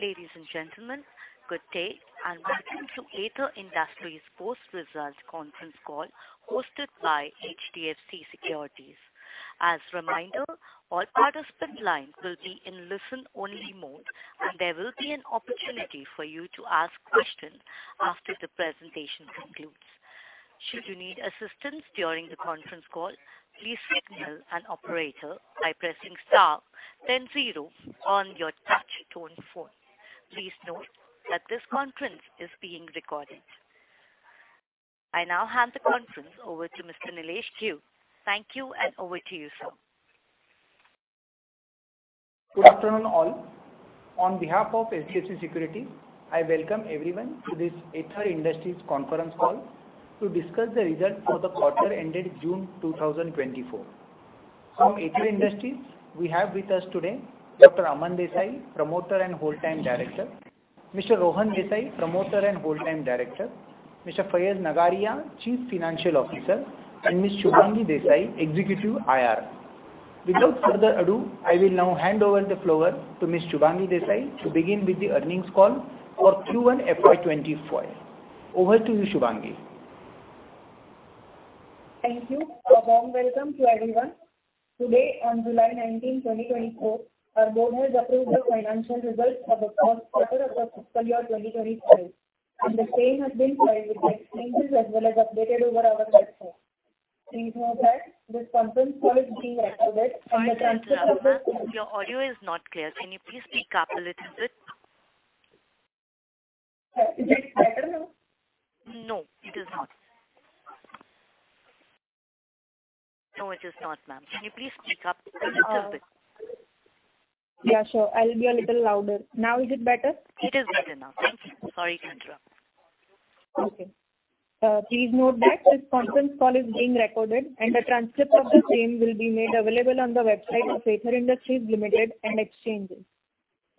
Ladies and gentlemen, good day, and welcome to Aether Industries Post Results Conference Call, hosted by HDFC Securities. As a reminder, all participant lines will be in listen-only mode, and there will be an opportunity for you to ask questions after the presentation concludes. Should you need assistance during the conference call, please signal an operator by pressing star then zero on your touch tone phone. Please note that this conference is being recorded. I now hand the conference over to Mr. Nilesh Ghuge. Thank you, and over to you, sir. Good afternoon, all. On behalf of HDFC Securities, I welcome everyone to this Aether Industries conference call to discuss the results for the quarter ended June 2024. From Aether Industries, we have with us today Dr. Aman Desai, Promoter and Whole Time Director, Mr. Rohan Desai, Promoter and Whole Time Director, Mr. Faiz Nagariya, Chief Financial Officer, and Ms. Shubhangi Desai, Executive IR. Without further ado, I will now hand over the floor to Ms. Shubhangi Desai to begin with the earnings call for Q1 FY 2024. Over to you, Shubhangi. Thank you. A warm welcome to everyone. Today, on July 19, 2024, our board has approved the financial results for the first quarter of the fiscal year 2024, and the same has been filed with the exchanges, as well as updated over our website. Please note that this conference call is being recorded and the transcript of the- Your audio is not clear. Can you please speak up a little bit? Is it better now? No, it is not. No, it is not, ma'am. Can you please speak up a little bit? Yeah, sure. I'll be a little louder. Now is it better? It is better now. Thank you. Sorry to interrupt. Okay. Please note that this conference call is being recorded, and a transcript of the same will be made available on the website of Aether Industries Limited and exchanges.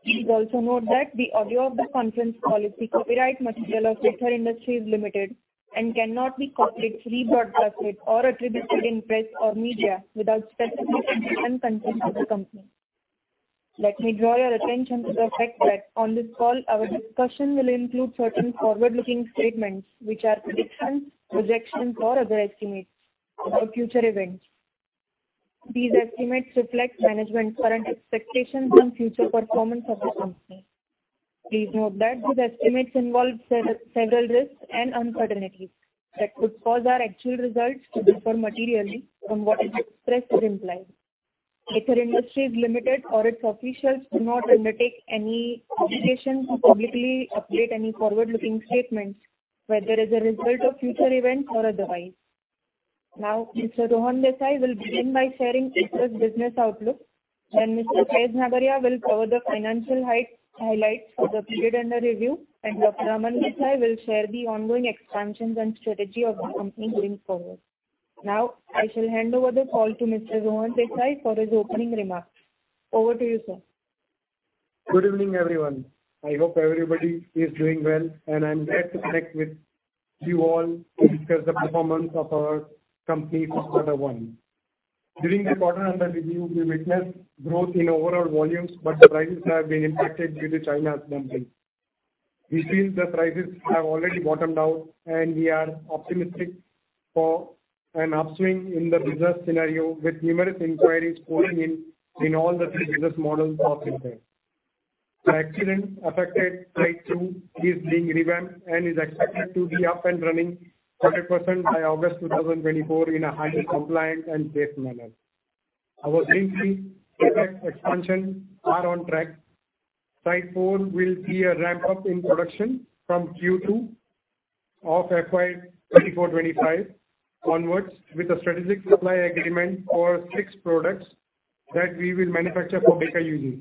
Please also note that the audio of the conference call is the copyright material of Aether Industries Limited, and cannot be copied, rebroadcast, or attributed in press or media without specific permission from the company. Let me draw your attention to the fact that on this call, our discussion will include certain forward-looking statements, which are predictions, projections, or other estimates about future events. These estimates reflect management's current expectations and future performance of the company. Please note that these estimates involve several risks and uncertainties that could cause our actual results to differ materially from what is expressed or implied. Aether Industries Limited or its officials do not undertake any obligation to publicly update any forward-looking statements, whether as a result of future events or otherwise. Now, Mr. Rohan Desai will begin by sharing Aether's business outlook, then Mr. Faiz Nagariya will cover the financial highlights for the period under review, and Dr. Aman Desai will share the ongoing expansions and strategy of the company going forward. Now, I shall hand over the call to Mr. Rohan Desai for his opening remarks. Over to you, sir. Good evening, everyone. I hope everybody is doing well, and I'm glad to connect with you all to discuss the performance of our company for quarter one. During the quarter under review, we witnessed growth in overall volumes, but the prices have been impacted due to China dumping. We feel the prices have already bottomed out, and we are optimistic for an upswing in the business scenario, with numerous inquiries pouring in in all the three business models of Aether. The accident-affected Site Two is being revamped and is expected to be up and running 100% by August 2024 in a highly compliant and safe manner. Our Greenfields Capex expansion are on track. Site Four will see a ramp-up in production from Q2 of FY 2024-25 onwards, with a strategic supply agreement for 6 products that we will manufacture for Baker Hughes.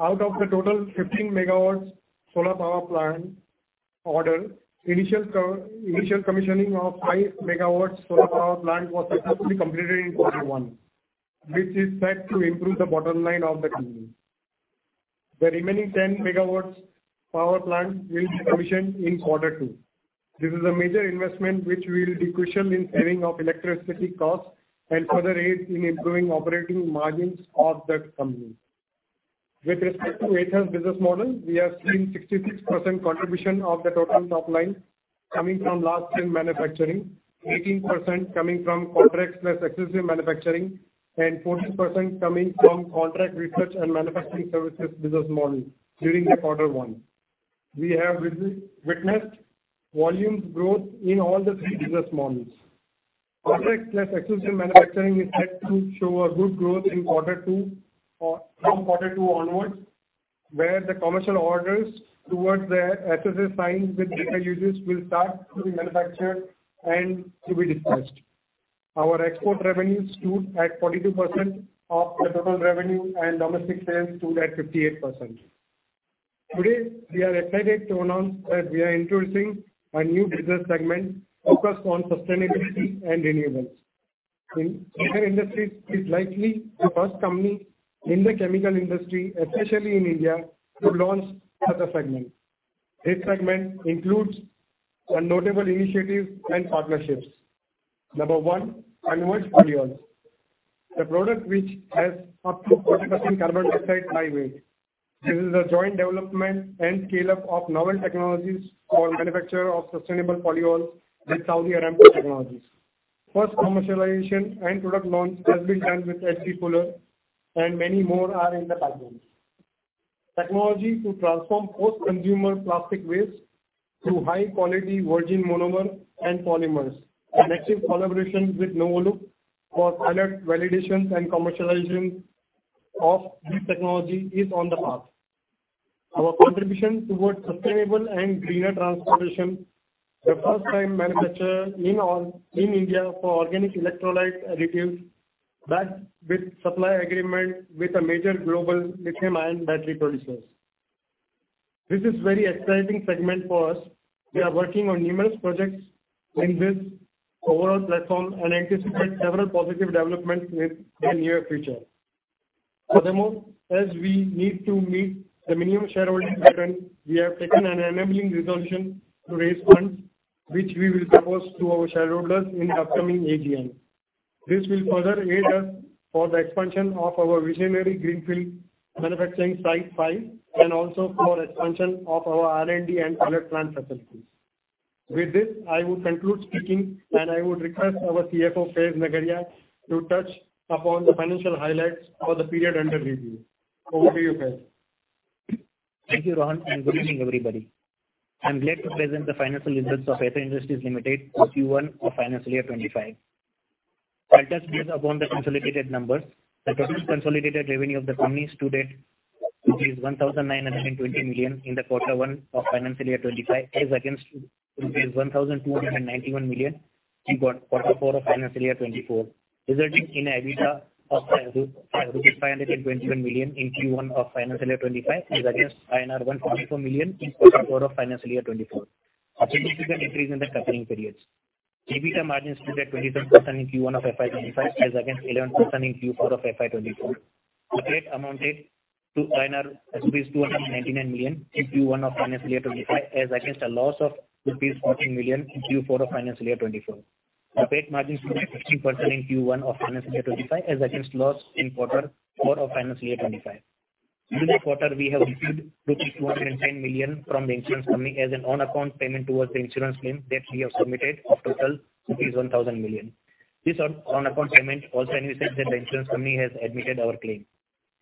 Out of the total 15 MW solar power plant order, initial commissioning of 5 MW solar power plant was successfully completed in Q1, which is set to improve the bottom line of the company. The remaining 10 MW power plant will be commissioned in quarter two. This is a major investment, which will be crucial in saving of electricity costs and further aid in improving operating margins of that company. With respect to Aether's business model, we have seen 66% contribution of the total top line coming from last mile manufacturing, 18% coming from contracts plus exclusive manufacturing, and 14% coming from contract research and manufacturing services business model during the quarter one. We have witnessed volumes growth in all the three business models. Contract plus exclusive manufacturing is set to show a good growth in quarter two or from quarter two onwards, where the commercial orders towards the SSAs signed with Baker Hughes will start to be manufactured and to be dispatched. Our export revenues stood at 42% of the total revenue, and domestic sales stood at 58%. Today, we are excited to announce that we are introducing a new business segment focused on sustainability and renewables. Aether Industries is likely the first company in the chemical industry, especially in India, to launch such a segment. This segment includes a notable initiative and partnerships. ...Number one, Converge polyols. A product which has up to 40% carbon dioxide by weight. This is a joint development and scale-up of novel technologies for manufacture of sustainable polyols with Saudi Aramco technologies. First commercialization and product launch has been done with H.B. Fuller, and many more are in the pipeline. Technology to transform post-consumer plastic waste to high-quality virgin monomer and polymers. An active collaboration with Novoloop for pilot validations and commercializing of this technology is on the path. Our contribution towards sustainable and greener transportation, the first-time manufacturer in all-in India for organic electrolyte additives, backed with supply agreement with the major global lithium-ion battery producers. This is very exciting segment for us. We are working on numerous projects in this overall platform and anticipate several positive developments within near future. Furthermore, as we need to meet the minimum shareholding pattern, we have taken an enabling resolution to raise funds, which we will propose to our shareholders in the upcoming AGM. This will further aid us for the expansion of our visionary greenfield manufacturing Site 5, and also for expansion of our R&D and pilot plant facilities. With this, I would conclude speaking, and I would request our CFO, Faiz Nagariya, to touch upon the financial highlights for the period under review. Over to you, Faiz. Thank you, Rohan, and good evening, everybody. I'm glad to present the financial results of Aether Industries Limited for Q1 of financial year 2025. I'll touch base upon the consolidated numbers. The total consolidated revenue of the company stood at 1,920 million in quarter one of financial year 2025, as against rupees 1,291 million in quarter four of financial year 2024, resulting in a EBITDA of rupees 521 million in Q1 of financial year 2025, as against INR 144 million in quarter four of financial year 2024, a significant increase in the covering periods. EBITDA margins stood at 23% in Q1 of FY 2025, as against 11% in Q4 of FY 2024. EBITDA amounted to rupees 299 million in Q1 of financial year 2025, as against a loss of rupees 14 million in Q4 of financial year 2024. EBITDA margins stood at 15% in Q1 of financial year 2025, as against loss in quarter four of financial year 2025. During this quarter, we have received 210 million from the insurance company as an on-account payment towards the insurance claim that we have submitted of total 1,000 million. This on-account payment also indicates that the insurance company has admitted our claim.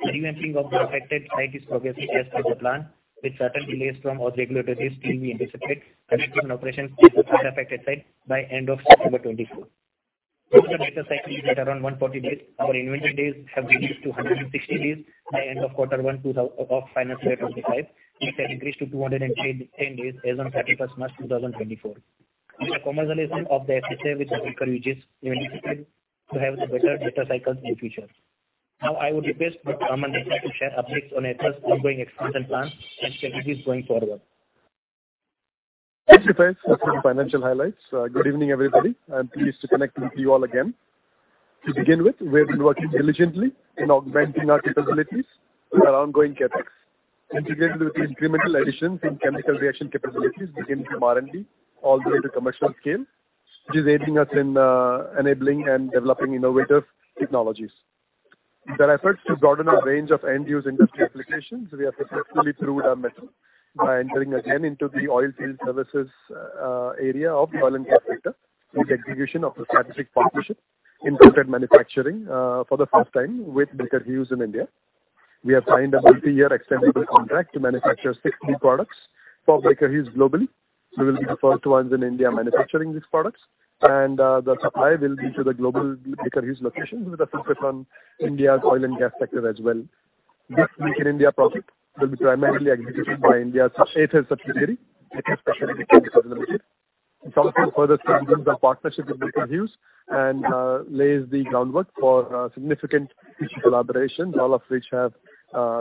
Revamping of the affected site is progressing as per the plan, with certain delays from our regulatory, still we anticipate and expect operations on the affected site by end of September 2024. The debtor days is at around 140 days, our inventory days have reduced to 160 days by end of quarter one of financial year 2025. It has increased to 210, 10 days as on 31st March, 2024. The commercialization of the SSA, which is anticipated to have the better debtor days in the future. Now, I would request Mr. Aman Desai to share updates on Aether's ongoing expansion plans and strategies going forward. Thanks, Faiz, for the financial highlights. Good evening, everybody. I'm pleased to connect with you all again. To begin with, we've been working diligently in augmenting our capabilities with our ongoing CapEx, integrated with the incremental additions in chemical reaction capabilities, beginning from R&D all the way to commercial scale, which is aiding us in enabling and developing innovative technologies. The efforts to broaden our range of end-use industry applications, we have successfully proved our method by entering again into the oil field services area of oil and gas sector, with execution of the strategic partnership in contract manufacturing for the first time with Baker Hughes in India. We have signed a multi-year extendable contract to manufacture 60 products for Baker Hughes globally. We will be the first ones in India manufacturing these products, and the supply will be to the global Baker Hughes locations, with a focus on India's oil and gas sector as well. This Make in India project will be primarily executed by Indian sub-Aether subsidiary, Aether Speciality Chemicals Limited. It also further strengthens our partnership with Baker Hughes and lays the groundwork for significant future collaborations, all of which have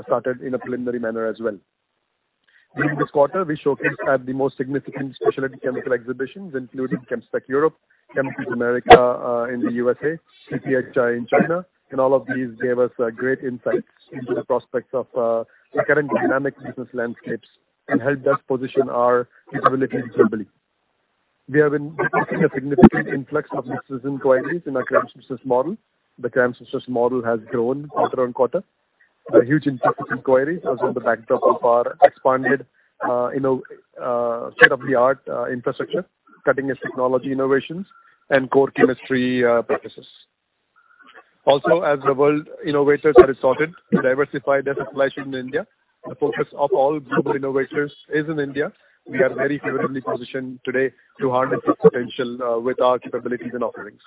started in a preliminary manner as well. During this quarter, we showcased at the most significant specialty chemical exhibitions, including Chemspec Europe, ChemCon America, in the USA, CPHI in China, and all of these gave us great insights into the prospects of the current dynamic business landscapes and helped us position our capabilities globally. We have been witnessing a significant influx of business inquiries in our client business model. The client business model has grown quarter on quarter. A huge increase in inquiries was on the backdrop of our expanded innovative state-of-the-art infrastructure, cutting-edge technology innovations and core chemistry practices. Also, as the world innovators have resorted to diversify their supply chain in India, the focus of all global innovators is in India. We are very favorably positioned today to harness this potential with our capabilities and offerings.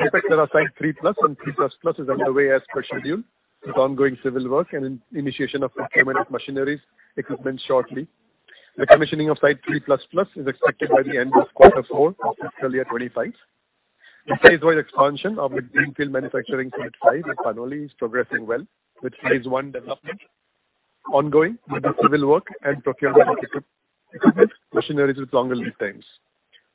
CapEx at our Site 3+ and 3++ is underway as per schedule, with ongoing civil work and initiation of procurement of machineries, equipment shortly. The commissioning of Site 3++ is expected by the end of quarter four of financial year 2025. The phase-wide expansion of the greenfield manufacturing Site 5 in Panoli is progressing well, with phase I development ongoing, with the civil work and procurement of equipment, machineries with longer lead times.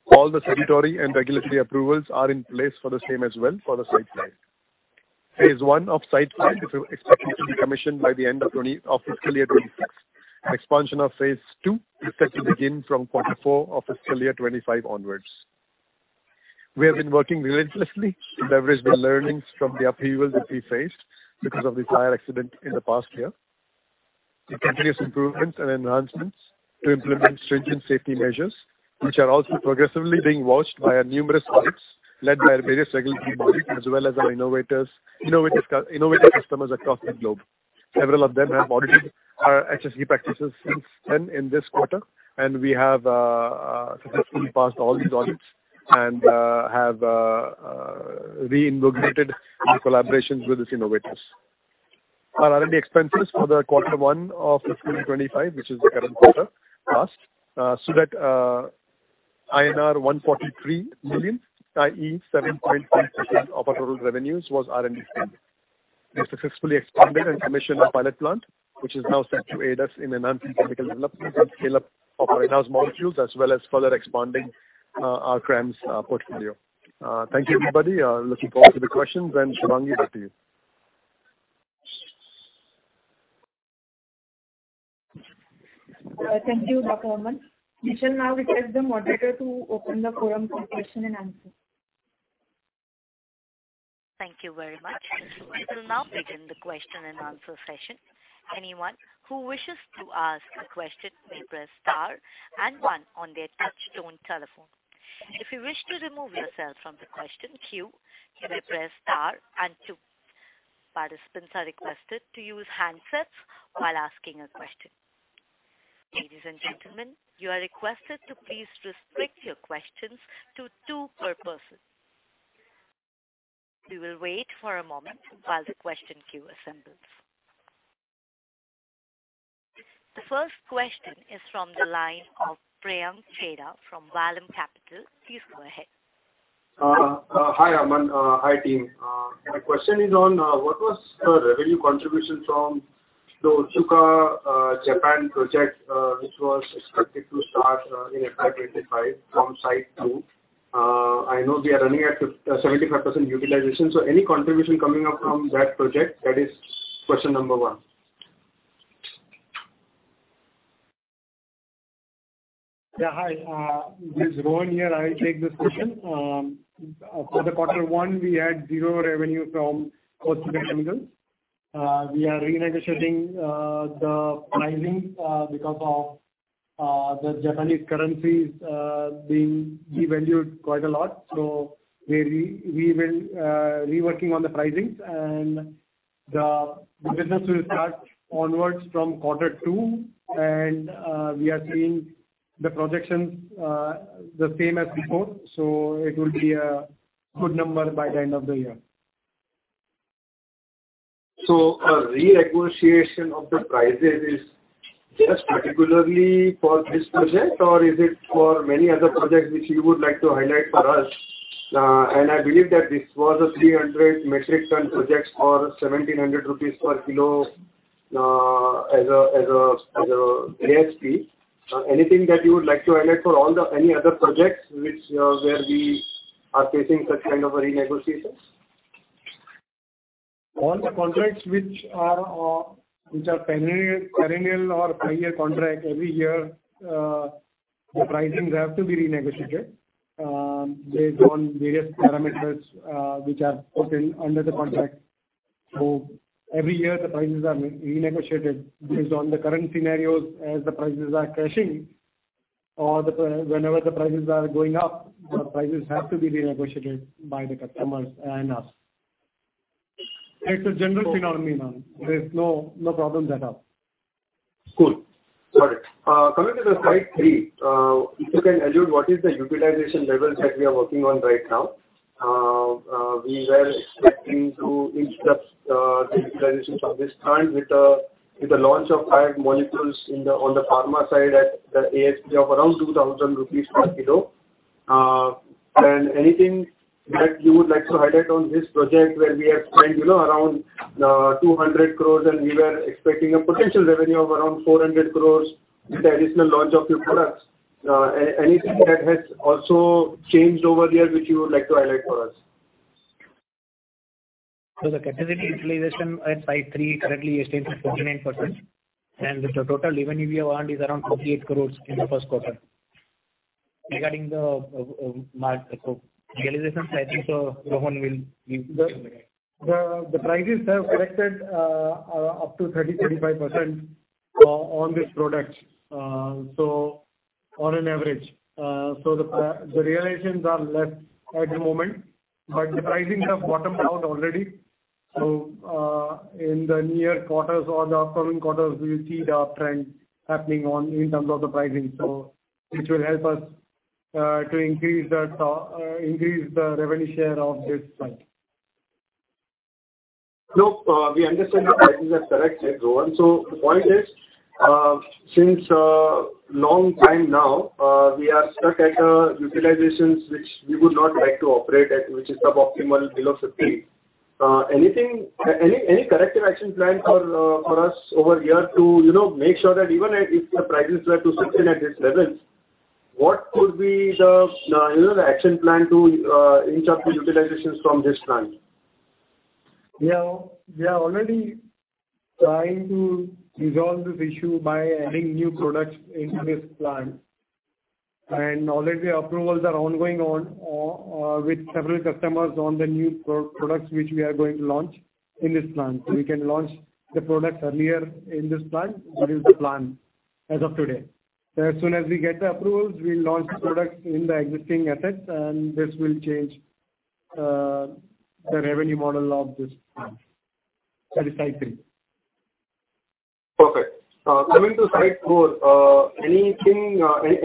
All the statutory and regulatory approvals are in place for the same as well for the site plan. phase I of Site 5 is expected to be commissioned by end of fiscal year 2025. Expansion of phase II is set to begin from quarter four of fiscal year 2025 onwards. We have been working relentlessly to leverage the learnings from the upheavals that we faced because of the fire accident in the past year. The continuous improvements and enhancements to implement stringent safety measures, which are also progressively being watched by our numerous clients, led by various regulatory bodies, as well as our innovative customers across the globe. Several of them have audited our HSE practices since then in this quarter, and we have successfully passed all these audits and have reinvigorated our collaborations with these innovators. Our R&D expenses for the quarter one of fiscal 2025, which is the current quarter, passed, so that INR 143 million, i.e., 7.3% of our total revenues, was R&D spending. We successfully expanded and commissioned a pilot plant, which is now set to aid us in enhancing chemical development and scale-up of lighthouse molecules, as well as further expanding our CRAMS portfolio. Thank you, everybody. Looking forward to the questions, and Shubhangi, back to you. Thank you, Dr. Aman. We shall now request the moderator to open the forum for question and answer. Thank you very much. We will now begin the question and answer session. Anyone who wishes to ask a question, may press star and one on their touchtone telephone. If you wish to remove yourself from the question queue, you may press star and two. Participants are requested to use handsets while asking a question. Ladies and gentlemen, you are requested to please restrict your questions to two per person. We will wait for a moment while the question queue assembles. The first question is from the line of Priyank Chheda from Vallum Capital. Please go ahead. Hi, Aman. Hi, team. My question is on what was the revenue contribution from the Otsuka Japan project, which was expected to start in April 2025 from Site Two? I know we are running at 75% utilization, so any contribution coming up from that project? That is question number one. Yeah, hi, this is Rohan here. I'll take this question. For the quarter one, we had zero revenue from Otsuka Chemicals. We are renegotiating the pricing because of the Japanese currency being devalued quite a lot. So we will reworking on the pricings and the business will start onwards from quarter two. And we are seeing the projections the same as before, so it will be a good number by the end of the year. So a renegotiation of the prices is just particularly for this project, or is it for many other projects which you would like to highlight for us? And I believe that this was a 300 metric ton project for 1700 rupees per kilo, as a, as a, as a ASP. Anything that you would like to highlight for all the, any other projects which, where we are facing such kind of a renegotiation? All the contracts which are perennial or per year contract, every year, the pricings have to be renegotiated based on various parameters which are put in under the contract. So every year the prices are renegotiated based on the current scenarios, as the prices are crashing or whenever the prices are going up, the prices have to be renegotiated by the customers and us. It's a general phenomenon. There is no problem at all. Cool. Got it. Coming to the site three, if you can allude what is the utilization levels that we are working on right now. We were expecting to increase the utilizations from this time with the launch of five molecules in the, on the pharma side at the ASP of around 2000 rupees per kilo. Anything that you would like to highlight on this project where we have spent, you know, around 200 crore, and we were expecting a potential revenue of around 400 crore with the additional launch of new products. Anything that has also changed over the year, which you would like to highlight for us? The capacity utilization at Site 3 currently stands at 49%, and the total revenue we have earned is around 48 crore in the first quarter. Regarding the margin realization, I think Rohan will give the... The prices have corrected up to 30%-35%, on this product, so on an average. So the realizations are less at the moment, but the pricing have bottomed out already. So, in the near quarters or the upcoming quarters, we will see the uptrend happening on in terms of the pricing. So which will help us to increase the revenue share of this site. No, we understand the prices have corrected, Rohan. So the point is, since long time now, we are stuck at utilizations which we would not like to operate at, which is suboptimal below 50. Anything, any corrective action plan for us over here to, you know, make sure that even if the prices were to sustain at this level... What could be the, you know, the action plan to inch up the utilizations from this plant? Yeah, we are already trying to resolve this issue by adding new products in this plant. And already approvals are ongoing on, with several customers on the new products which we are going to launch in this plant. So we can launch the products earlier in this plant. That is the plan as of today. So as soon as we get the approvals, we'll launch the products in the existing assets, and this will change, the revenue model of this plant, that is, site three. Perfect. Coming to site four, anything, any,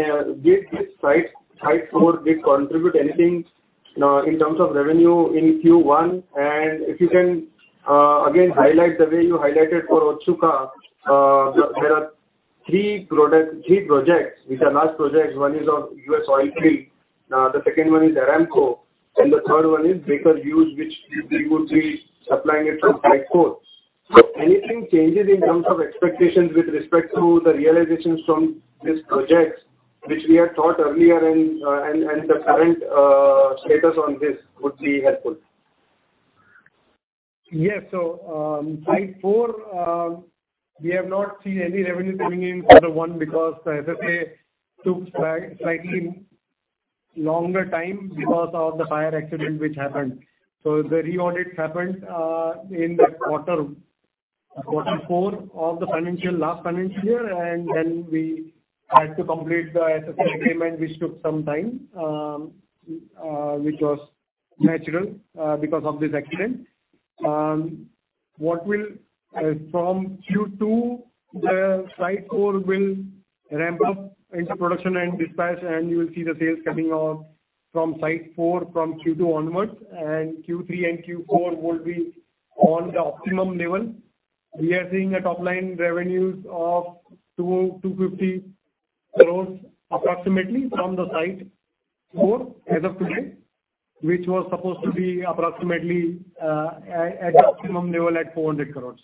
did this site, site four, did contribute anything in terms of revenue in Q1? And if you can, again, highlight the way you highlighted for Otsuka, there are three projects, which are large projects. One is on US Oilfield, the second one is Aramco, and the third one is Baker Hughes, which we would be supplying it from site four. So anything changes in terms of expectations with respect to the realizations from these projects, which we had thought earlier and, and the current status on this would be helpful. Yes. So, site four, we have not seen any revenue coming in for the one, because the SSA took slightly longer time because of the fire accident which happened. So the re-audit happened in quarter four of the financial, last financial year, and then we had to complete the SSA agreement, which took some time, which was natural, because of this accident. From Q2, the site four will ramp up into production and dispatch, and you will see the sales coming on from site four, from Q2 onwards, and Q3 and Q4 will be on the optimum level. We are seeing a top line revenues of 250 crores approximately from the site four as of today, which was supposed to be approximately, at optimum level, at 400 crores.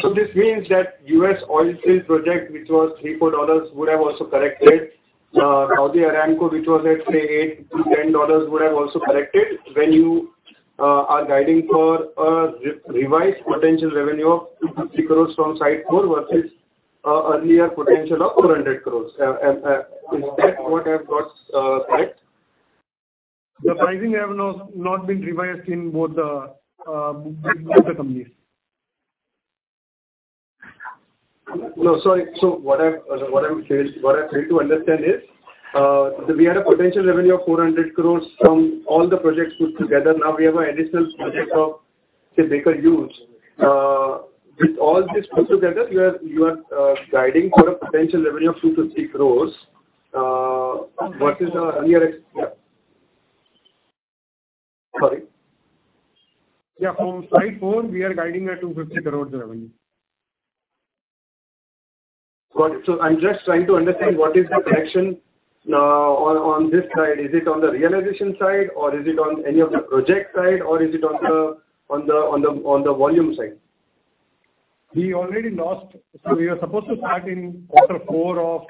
So this means that US Oilfield project, which was $3-$4, would have also corrected. Saudi Aramco, which was at, say, $8-$10, would have also corrected when you are guiding for a revised potential revenue of 250 crores from site 4 versus earlier potential of 400 crores. Is that what I've got right? The pricing have not been revised in both the companies. No, sorry. So what I failed to understand is that we had a potential revenue of 400 crore from all the projects put together. Now, we have an additional project of, say, Baker Hughes. With all this put together, you are guiding for a potential revenue of 250 crore versus our earlier ex- Yeah. Sorry? Yeah, from site four, we are guiding INR 250 crore revenue. Got it. So I'm just trying to understand what is the correction on this side? Is it on the realization side, or is it on any of the project side, or is it on the volume side? We already lost. We were supposed to start in quarter four of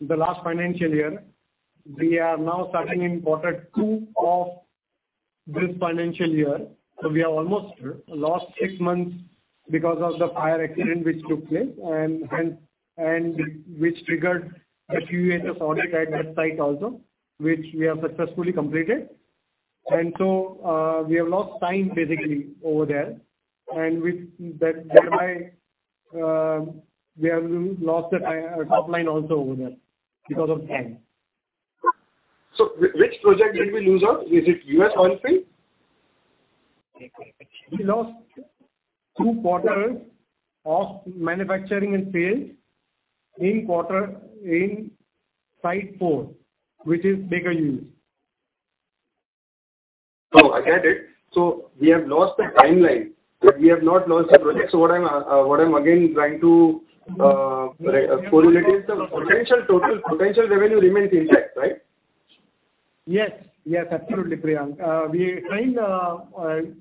the last financial year. We are now starting in quarter two of this financial year, so we have almost lost six months because of the fire accident which took place and which triggered a QAS audit at that site also, which we have successfully completed. So we have lost time basically over there, and with that, whereby we have lost the top line also over there because of time. Which project did we lose out? Is it US Oilfield? We lost two quarters of manufacturing and sales in quarter... in site four, which is Baker Hughes. No, I get it. So we have lost the timeline, but we have not lost the project. So what I'm, what I'm again trying to correlate is the potential, total potential revenue remains intact, right? Yes. Yes, absolutely, Priyank. We signed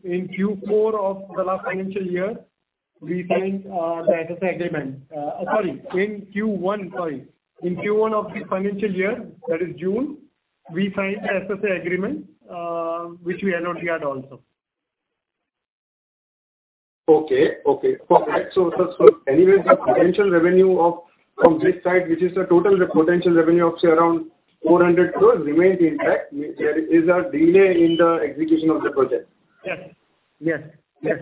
in Q4 of the last financial year, we signed the SSA agreement. Sorry, in Q1, sorry. In Q1 of this financial year, that is June, we signed SSA agreement, which we announced here also. Perfect. So, anyways, the potential revenue from this site, which is the total potential revenue of, say, around 400 crore, remains intact. There is a delay in the execution of the project. Yes. Yes. Yes.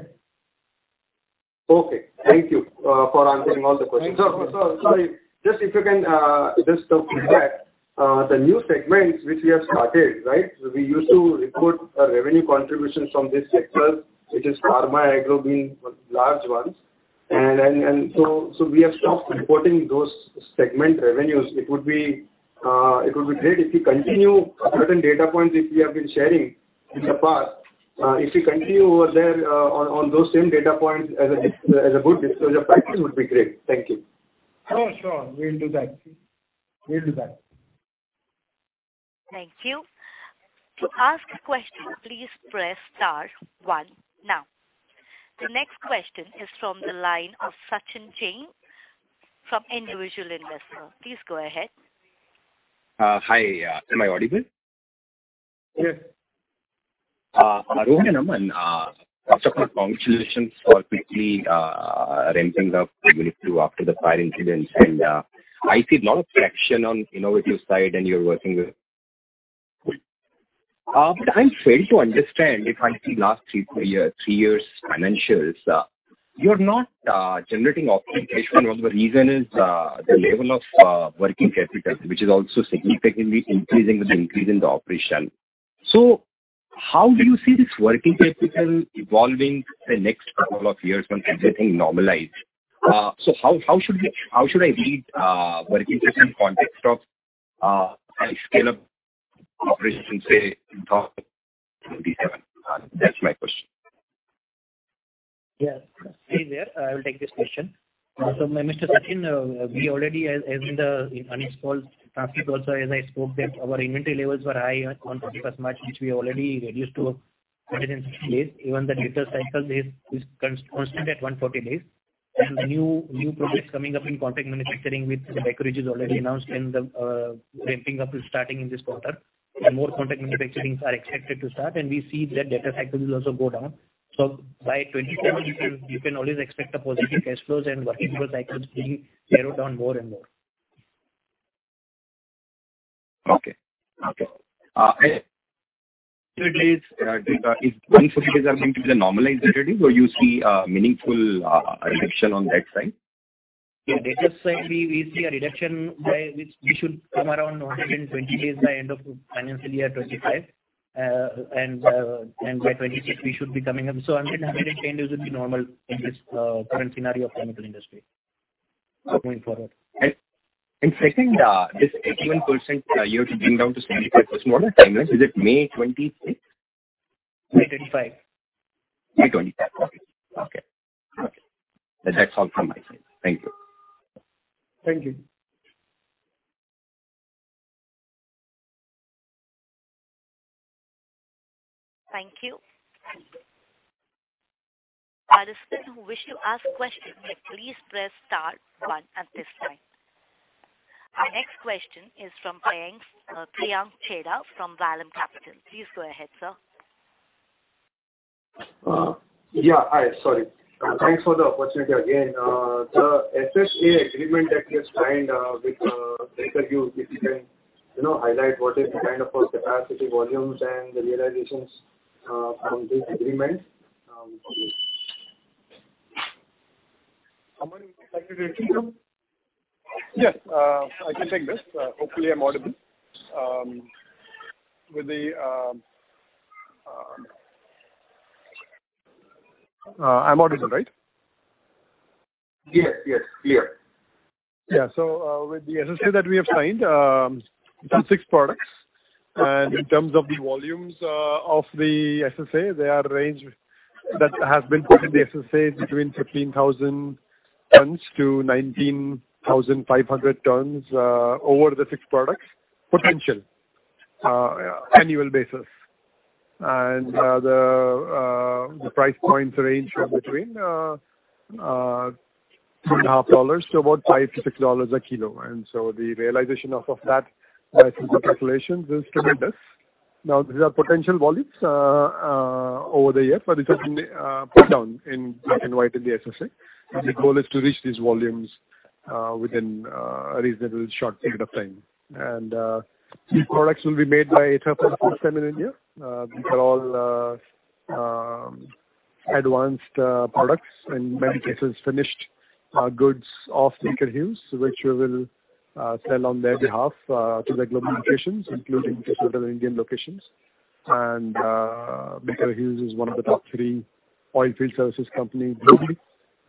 Okay. Thank you for answering all the questions. Thank you. So, just if you can, just to come back, the new segments which we have started, right? We used to report a revenue contribution from this sector, which is pharma, agro being large ones. And so we have stopped reporting those segment revenues. It would be great if you continue certain data points which we have been sharing in the past. If you continue over there, on those same data points as a good disclosure practice would be great. Thank you. Oh, sure. We'll do that. We'll do that.... Thank you. To ask a question, please press star one now. The next question is from the line of Sachin Jain from Individual Investor. Please go ahead. Hi, am I audible? Yes. Rohan, Aman, first of all, congratulations for quickly ramping up after the fire incident, and I see a lot of traction on innovative side, and you're working with. But I fail to understand, if I see last three year, three years financials, you're not generating optimization. One of the reason is the level of Working Capital, which is also significantly increasing with the increase in the operation. So how do you see this Working Capital evolving the next couple of years when everything normalized? So how, how should we, how should I read Working Capital in context of high scale of operations, say, in 2027? That's my question. Yes, hi there. I will take this question. So Mr. Sachin, we already as in the earnings call transcript also, as I spoke, that our inventory levels were high on 31st March, which we already reduced to 160 days. Even the debtor days is constant at 140 days, and the new products coming up in contract manufacturing with the Baker Hughes already announced, and the ramping up is starting in this quarter. And more contract manufacturings are expected to start, and we see that debtor days will also go down. So by 2024, you can always expect the positive cash flows and working capital cycles being narrowed down more and more. Okay, okay. So it is 140 days are going to be the normalized or you see meaningful reduction on that side? Yeah, debtor side, we, we see a reduction by which we should come around 120 days by end of financial year 2025. And, and by 2026, we should be coming up. So 120 days would be normal in this current scenario of chemical industry going forward. And second, this 18%, you have to bring down to 75%. What is timeline? Is it May 26th? May 25. May 25. Okay. Okay. That's all from my side. Thank you. Thank you. Thank you. Others who wish to ask questions, may please press star one at this time. Our next question is from Priyank Chheda from Vallum Capital. Please go ahead, sir. Yeah, hi. Sorry. Thanks for the opportunity again. The SSA agreement that you have signed with Baker Hughes, if you can, you know, highlight what is the kind of capacity, volumes, and the realizations from this agreement with you? Aman, would you like to take this one? Yes, I can take this. Hopefully I'm audible. I'm audible, right? Yes, yes, clear. Yeah. So, with the SSA that we have signed, it's on six products. And in terms of the volumes, of the SSA, they are range that has been put in the SSA between 15,000-19,500 tons, over the six products, potential annual basis. And, the price points range are between $3.5 to about $5-$6 a kilo. And so the realization off of that, I think the calculation is tremendous. Now, these are potential volumes, over the year, but it has been put down in in white in the SSA. And the goal is to reach these volumes, within a reasonable short period of time. And, these products will be made by Aether for seven years. These are all advanced products and in many cases, finished goods of Baker Hughes, which we will sell on their behalf to the global locations, including several Indian locations. Baker Hughes is one of the top three oil field services company, globally.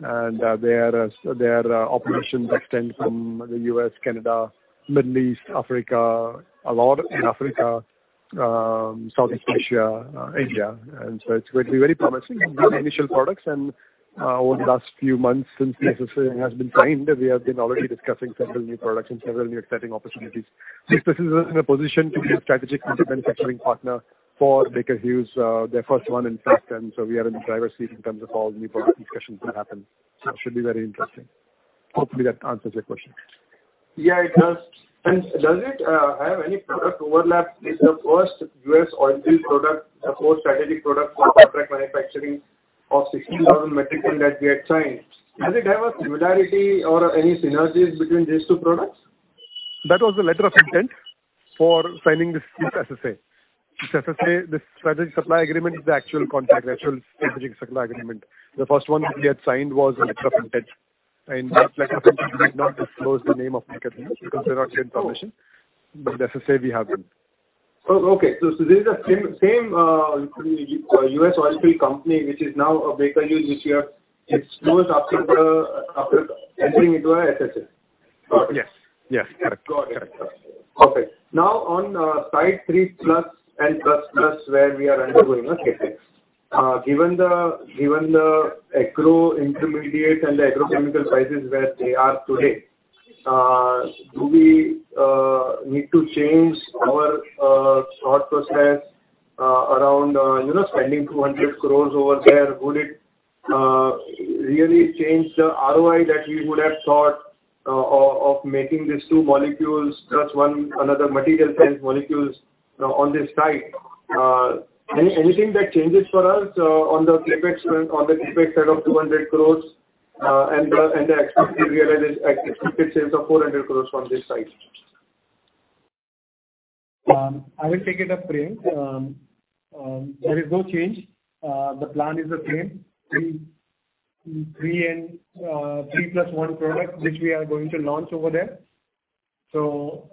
Their operations extend from the U.S., Canada, Middle East, Africa, a lot in Africa, Southeast Asia, India. So it's going to be very promising, the initial products. Over the last few months, since the SSA has been signed, we have been already discussing several new products and several new exciting opportunities. So this places us in a position to be a strategic manufacturing partner for Baker Hughes, their first one, in fact, and so we are in the driver's seat in terms of all new product discussions that happen. So it should be very interesting. Hopefully, that answers your question. Yeah, it does. Does it have any product overlap with the first US oil field product, the four strategic products for contract manufacturing of 16,000 metric tons that we had signed? Does it have a similarity or any synergies between these two products? That was the letter of intent for signing this, this SSA. This SSA, this strategic supply agreement, is the actual contract, the actual strategic supply agreement. The first one we had signed was a letter of intent, and that letter of intent did not disclose the name of Baker Hughes because they're not given permission, but the SSA we have them. Oh, okay. So, so this is the same, same US Oilfield company, which is now Baker Hughes, which we have exposed after entering into a SSA? Yes. Yes, correct. Got it. Okay. Now, on site 3+ and 3++, where we are undergoing a CapEx, given the agro intermediates and the agrochemical prices where they are today, do we need to change our thought process around, you know, spending 200 crore over there? Would it really change the ROI that you would have thought of making these two molecules, plus one another material sciences molecules on this site? Anything that changes for us on the CapEx, on the CapEx side of 200 crore, and the expected realized expected sales of 400 crore from this site? I will take it up, Priyank. There is no change. The plan is the same. 3, 3 and 3 + 1 product, which we are going to launch over there. So,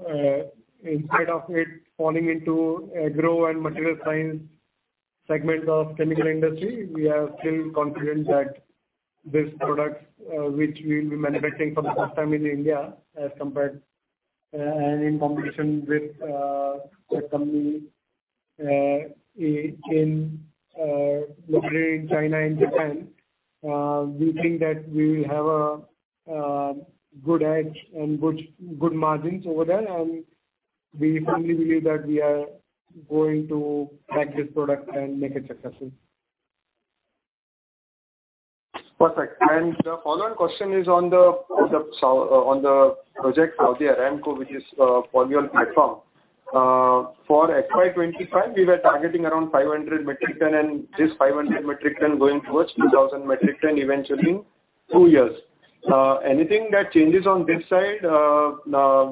instead of it falling into agro and material science segments of chemical industry, we are still confident that this product, which we will be manufacturing for the first time in India, as compared, and in competition with a company, in mostly in China and Japan, we think that we will have a good edge and good margins over there, and we firmly believe that we are going to pack this product and make it successful. Perfect. And the follow-on question is on the project Saudi Aramco, which is polyol platform. For FY 2025, we were targeting around 500 metric ton, and this 500 metric ton going towards 2,000 metric ton eventually in two years. Anything that changes on this side,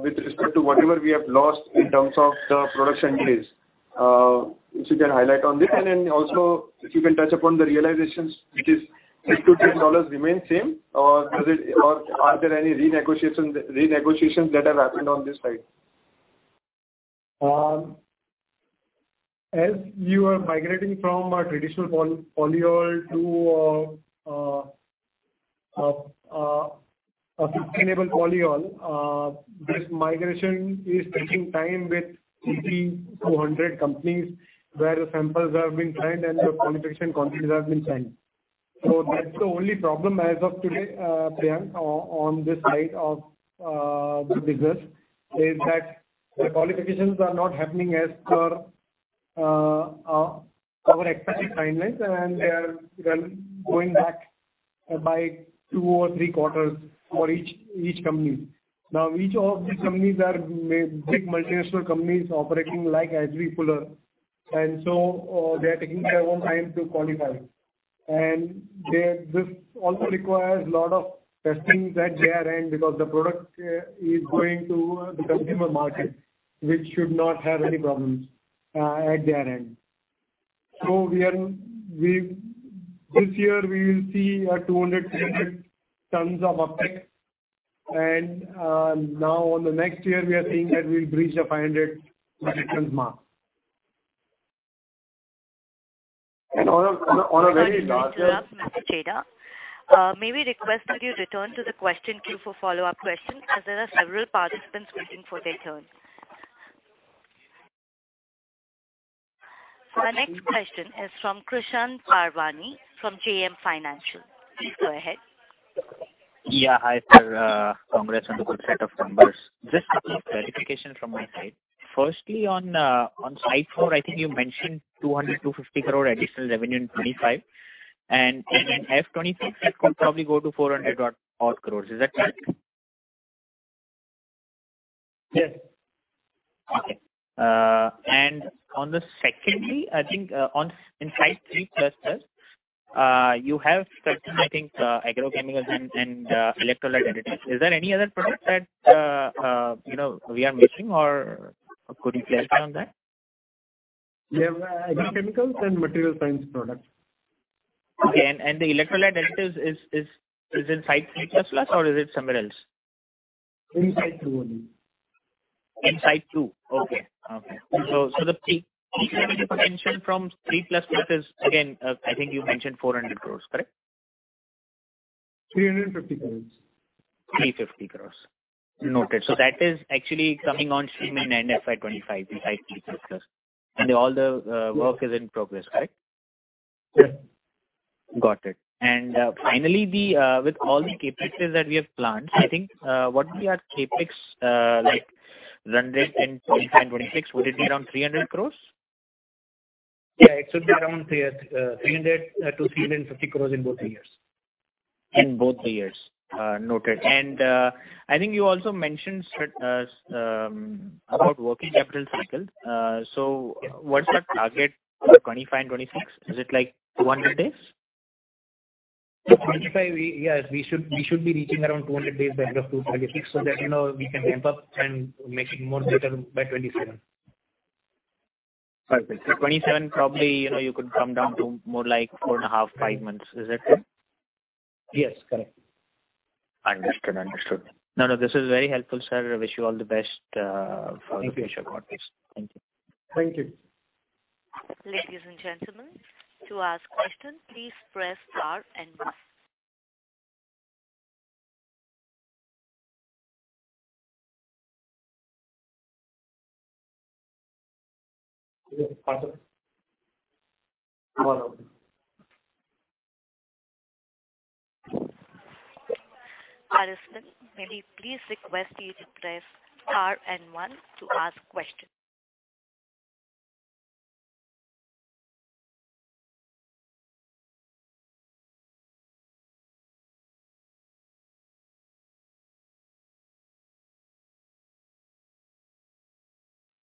with respect to whatever we have lost in terms of the production days, if you can highlight on this? And then also, if you can touch upon the realizations, which is $6-$10 remain same, or does it or are there any renegotiations that have happened on this side? As you are migrating from a traditional polyol to a sustainable polyol, this migration is taking time with 50-100 companies, where the samples have been signed and the qualification contracts have been signed. So that's the only problem as of today, Priyank, on this side of the business, is that the qualifications are not happening as per our expected timelines, and they are going back by two or three quarters for each company. Now, each of these companies are big multinational companies operating like H.B. Fuller, and so they're taking their own time to qualify. This also requires a lot of testing at their end, because the product is going to the consumer market, which should not have any problems at their end. So we are. This year we will see 200 tons of uptick, and now, on the next year, we are seeing that we'll reach the 500 metric tons mark. And on a, on a very larger-... May we request that you return to the question queue for follow-up questions, as there are several participants waiting for their turn? The next question is from Krishan Parwani from JM Financial. Please go ahead. Yeah. Hi, sir, congrats on the good set of numbers. Just a couple of clarification from my side. Firstly, on site four, I think you mentioned 200 crore-250 crore additional revenue in 2025, and in FY 2025, it could probably go to 400 odd crores. Is that correct? Yes. Okay. On the secondly, I think, on in Site 3++, you have certain, I think, agrochemicals and electrolyte additives. Is there any other product that, you know, we are missing, or could you clarify on that? We have agrochemicals and material science products. Okay. The electrolyte additives is in Site 3++, or is it somewhere else? In Site 2 only. In site two. Okay. Okay. So, so the potential from 3++ is, again, I think you mentioned 400 crore, correct? 350 crores. 350 crore. Noted. So that is actually coming on stream in end FY 2025, the Site 3++. And all the work is in progress, correct? Yes. Got it. And, finally, with all the CapExes that we have planned, I think, what we are CapEx like run rate in 2025, 2026, would it be around 300 crore? Yeah, it should be around 300 crore-350 crore in both the years. In both the years. Noted. I think you also mentioned about working capital cycle. So what's the target for 2025 and 2026? Is it like 200 days? 2025, we... Yes, we should, we should be reaching around 200 days by end of 2026, so that, you know, we can ramp up and make it more better by 2027. Perfect. So 2027, probably, you know, you could come down to more like 4.5, five months. Is that correct? Yes, correct. Understood. Understood. No, no, this is very helpful, sir. I wish you all the best. Thank you. For the future quarters. Thank you. Thank you. Ladies and gentlemen, to ask questions, please press star and one. Participant, may we please request you to press star and one to ask question.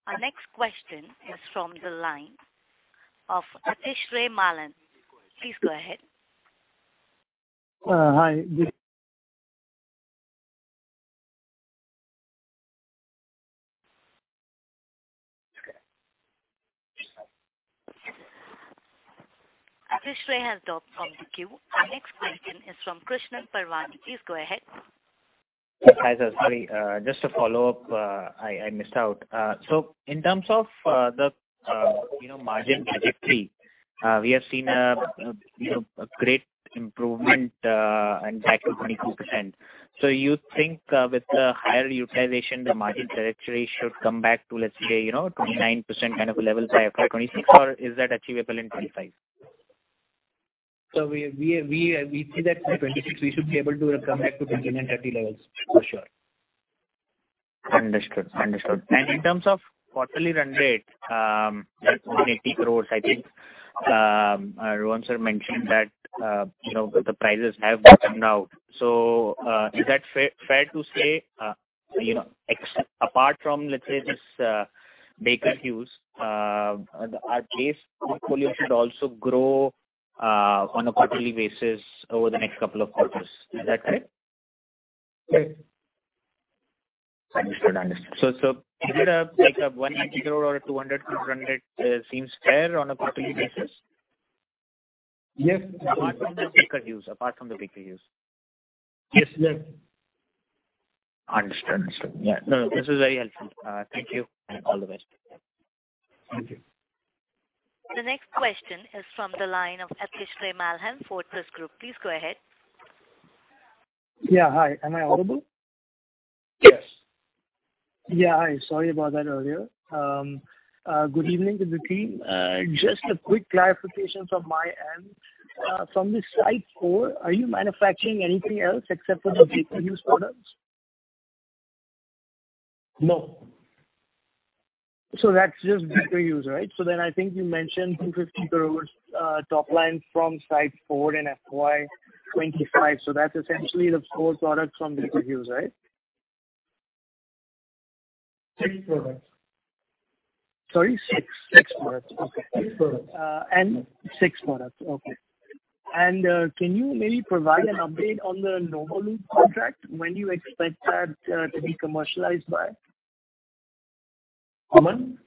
Our next question is from the line of Atishray Malhan. Please go ahead. Hi, good- Atishray has dropped from the queue. Our next question is from Krishan Parwani. Please go ahead. Hi, sir. Sorry, just to follow up, I missed out. So in terms of the, you know, margin trajectory, we have seen a, you know, a great improvement, and back to 22%. So you think, with the higher utilization, the margin trajectory should come back to, let's say, you know, 29% kind of a level by FY 2026, or is that achievable in 2025? So we see that in 2026, we should be able to come back to 20 and 30 levels, for sure. Understood. Understood. In terms of quarterly run rate, that's only 80 crores, I think. Rohan, sir mentioned that, you know, the prices have bottomed out. So, is that fair to say, you know, ex-apart from, let's say, this, Baker Hughes, our base portfolio should also grow on a quarterly basis over the next couple of quarters. Is that correct? Yes. Understood. Understood. So, so is it a, like, 180 crore or 200 crore, INR 200 crore, seems fair on a quarterly basis? Yes. Apart from the Baker Use. Yes, yes. Understood. Understood. Yeah, no, no, this is very helpful. Thank you, and all the best. Thank you. The next question is from the line of Atishray Malhan, Pegasus Strategy. Please go ahead. Yeah, hi, am I audible? Yes. Yeah, hi, sorry about that earlier. Good evening to the team. Just a quick clarification from my end. From the site four, are you manufacturing anything else except for the Baker Use products? No. So that's just Baker Use, right? So then I think you mentioned 250 crores top line from Site 4 in FY 2025. So that's essentially the four products from Baker Use, right? Six products. Sorry, six. Six products, okay. Six products. And six products, okay. Can you maybe provide an update on the Novoloop contract, when you expect that to be commercialized by? Aman?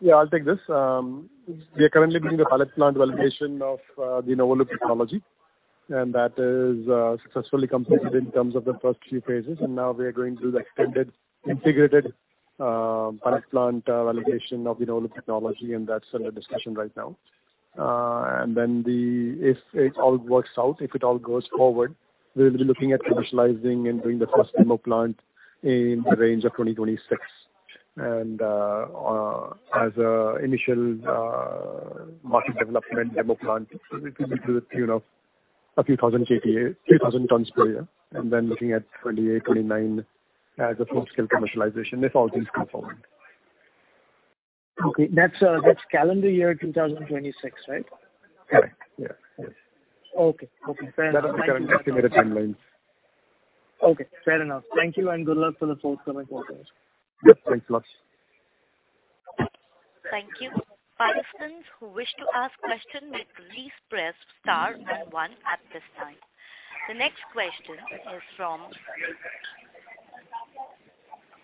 Yeah, I'll take this. We are currently doing the pilot plant validation of the Novoloop technology, and that is successfully completed in terms of the first few phases, and now we are going through the extended integrated pilot plant validation of the Novoloop technology, and that's under discussion right now. If it all works out, if it all goes forward, we'll be looking at commercializing and doing the first demo plant in the range of 2026. And as a initial market development demo plant, it will be, you know, a few thousand KTA, a few thousand tons per year, and then looking at 2028, 2029 as a full scale commercialization, if all things go forward. Okay. That's, that's calendar year 2026, right? Correct. Yeah. Yes. Okay. Okay. That is the current estimated timelines. Okay, fair enough. Thank you, and good luck for the forthcoming quarters. Yes, thanks a lot. Thank you. Participants who wish to ask question may please press star and one at this time. The next question is from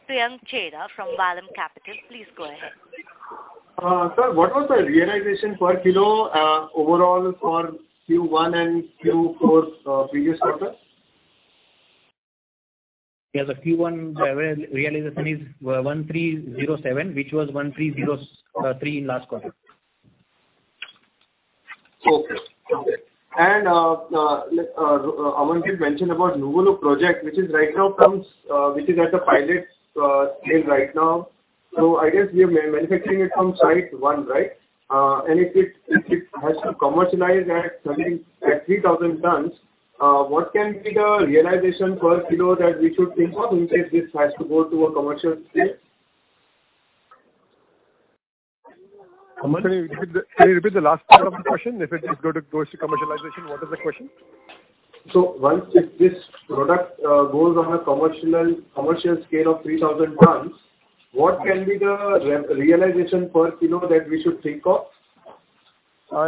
Priyank Chheda from Vallum Capital. Please go ahead. Sir, what was the realization per kilo, overall for Q1 and Q4, previous quarter? Yes, the Q1 realization is 1,307, which was 1,303 in last quarter. Okay. Okay. And, Aman had mentioned about Novoloop project, which is right now comes, which is at the pilot, stage right now. So I guess we are manufacturing it from site one, right? And if it, if it has to commercialize at something, at 3,000 tons, what can be the realization per kilo that we should think of in case this has to go to a commercial scale? Aman, can you repeat the last part of the question? If it goes to commercialization, what is the question? So once this product goes on a commercial, commercial scale of 3,000 tons, what can be the realization per kilo that we should think of?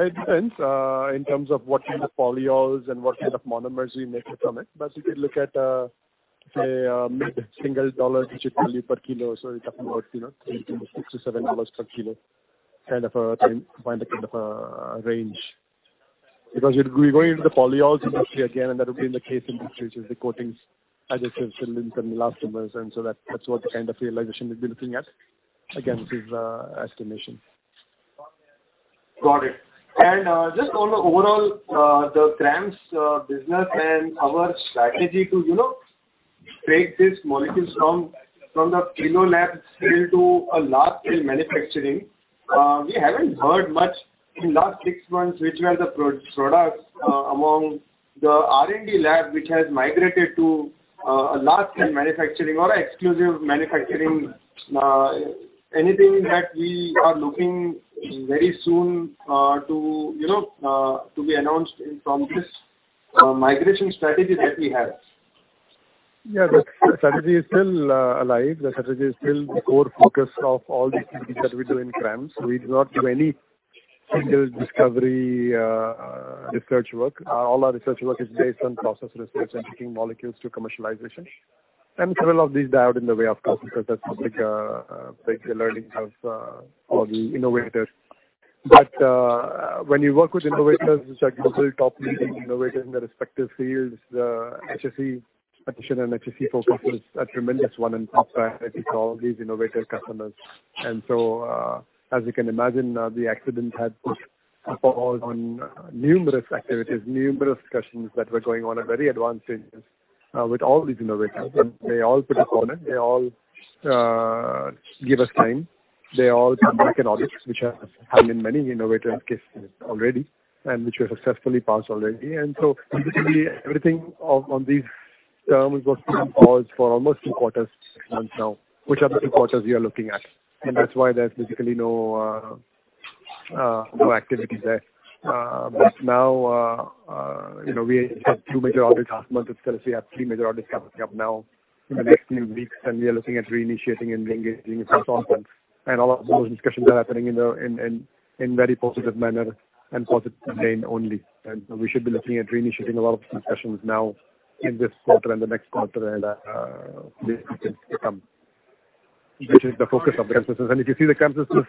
It depends in terms of what kind of polyols and what kind of monomers we make it from it. But you can look at, say, maybe single digit dollars per kilo, so we're talking about, you know, $60-$70 per kilo, kind of, kind of, range. Because we're, we're going into the polyols industry again, and that would be in the case in which is the coatings, adhesives, and elastomers, and so that, that's what the kind of realization we'd be looking at, again, this is, estimation.... Got it. And, just on the overall, the CRAMS business and our strategy to, you know, take these molecules from the kilo lab scale to a large scale manufacturing, we haven't heard much in last six months, which were the products among the R&D lab which has migrated to a large scale manufacturing or exclusive manufacturing. Anything that we are looking very soon to, you know, to be announced in from this migration strategy that we have? Yeah, the strategy is still alive. The strategy is still the core focus of all the things that we do in CRAMS. We do not do any single discovery research work. All our research work is based on process research and taking molecules to commercialization. And several of these died on the way, of course, because that's public learning of all the innovators. But when you work with innovators, which are global top innovators in their respective fields, HSE participation and HSE focus is a tremendous one and top priority for all these innovator customers. And so, as you can imagine, the accident had put a pause on numerous activities, numerous discussions that were going on at very advanced stages with all these innovators. But they all put us on it. They all give us time. They all come back in audits, which has happened in many innovators cases already, and which were successfully passed already. So basically, everything on these terms was put on pause for almost two quarters, six months now, which are the two quarters we are looking at. And that's why there's basically no activity there. But now, you know, we had two major audits last month. Instead, we have three major audits coming up now in the next few weeks, and we are looking at reinitiating and reengaging with those partners. And all of those discussions are happening in a very positive manner and positive domain only. And we should be looking at reinitiating a lot of these discussions now in this quarter and the next quarter, and this will come, which is the focus of the business. If you see the CRAMS business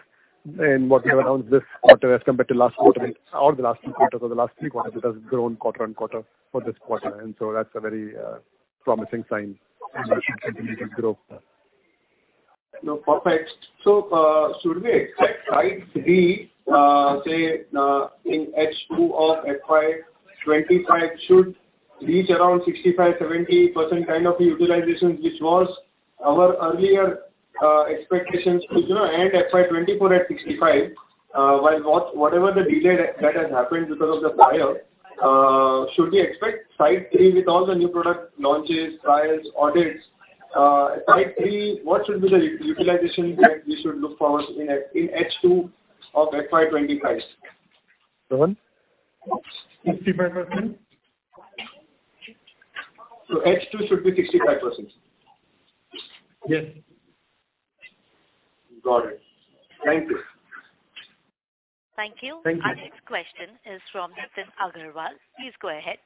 and what we have announced this quarter as compared to last quarter or the last two quarters or the last three quarters, it has grown quarter on quarter for this quarter, and so that's a very promising sign, and we should continue to grow. No, perfect. So, should we expect, right, the, say, in H2 of FY 2025 should reach around 65%-70% kind of utilization, which was our earlier, expectations to, you know, end FY 2024 at 65%? While what, whatever the delay that has happened because of the fire, should we expect site three with all the new product launches, trials, audits, site three, what should be the utilization that we should look forward in H2 of FY 2025? Rohan? 65%. So H2 should be 65%? Yes. Got it. Thank you. Thank you. Thank you. Our next question is from Nitin Agarwal. Please go ahead.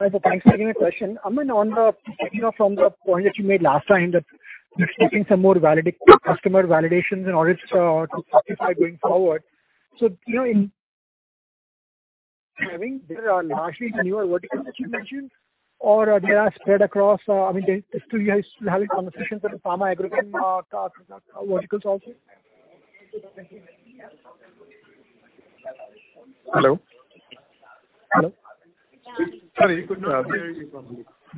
Hi, so thanks for taking the question. I mean, on the, picking up from the point that you made last time, that you're taking some more validation customer validations and audits to justify going forward. So, you know, in, I mean, these are largely the newer verticals that you mentioned, or they are spread across, I mean, they, still you guys still having conversations with the pharma, agri-chem, verticals also? Hello? Hello.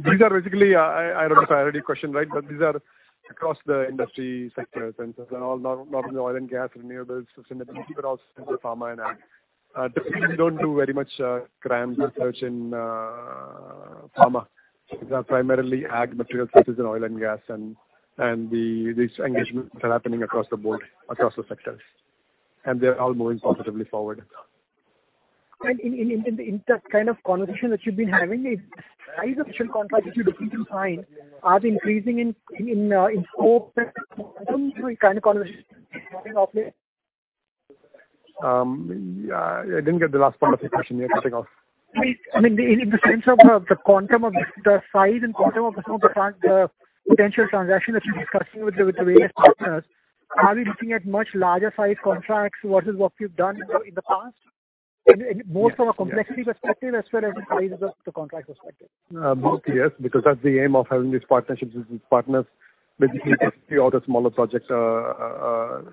These are basically, I know I asked you a question, right? But these are across the industry sectors, and all not only oil and gas, renewables, but also pharma and ag. We don't do very much, CRAMS research in, pharma. These are primarily ag materials versus in oil and gas, and the, these engagements are happening across the board, across the sectors, and they're all moving positively forward. And in that kind of conversation that you've been having, the size of potential contracts that you're looking to sign are increasing in scope, and so what kind of conversation...? I didn't get the last part of the question. You were cutting off. I mean, in the sense of the quantum of the size and quantum of some of the potential transactions that you're discussing with the various partners, are we looking at much larger size contracts versus what you've done in the past? I mean, both from a complexity perspective as well as the size of the contract perspective. Both, yes, because that's the aim of having these partnerships with these partners. Basically, all the smaller projects, the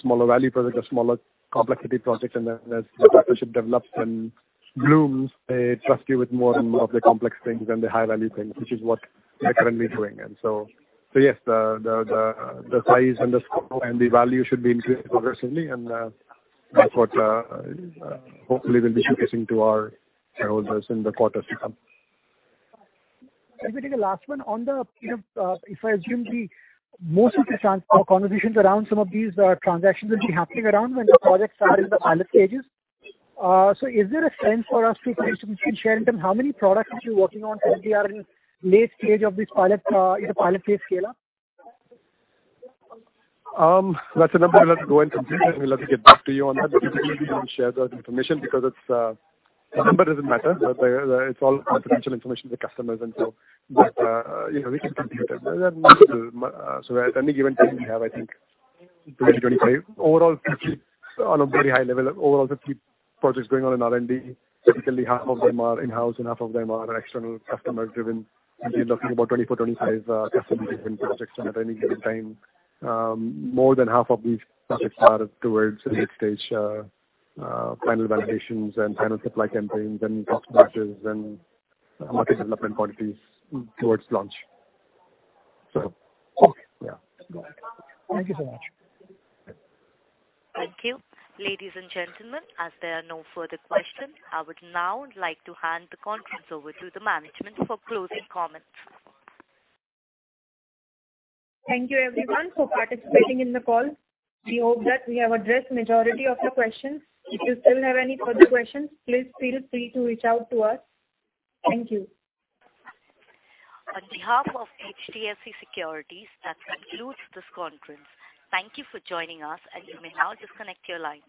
smaller value projects, the smaller complexity projects, and then as the partnership develops and blooms, they trust you with more and more of the complex things and the high-value things, which is what we're currently doing. And so yes, the size and the scope and the value should be increased progressively. And that's what, hopefully we'll be showcasing to our shareholders in the quarters to come. Let me take a last one. On the, you know, if I assume the most of the trans- conversations around some of these, transactions will be happening around when the project are in the pilot stages. So is there a sense for us to, can you share in term, how many products that you're working on, that they are in late stage of this pilot, in the pilot phase scale-up? That's a number we'll have to go and compute, and we'll have to get back to you on that. But we don't share that information because it's the number doesn't matter, but the it's all confidential information to the customers and so. But you know, we can compute it. So at any given time, we have, I think, 20-25. Overall 50, on a very high level, overall 50 projects going on in R&D. Typically, half of them are in-house, and half of them are external, customer-driven. We'll be looking about 24, 25 customer-driven projects at any given time. More than half of these projects are towards the late stage final validations and final supply campaigns and product launches and market development quantities towards launch. So- Okay. Yeah. Thank you so much. Thank you. Ladies and gentlemen, as there are no further questions, I would now like to hand the conference over to the management for closing comments. Thank you, everyone, for participating in the call. We hope that we have addressed majority of the questions. If you still have any further questions, please feel free to reach out to us. Thank you. On behalf of HDFC Securities, that concludes this conference. Thank you for joining us, and you may now disconnect your lines.